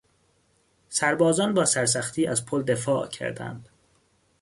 سربازان با سرسختی از پل دفاع کردند.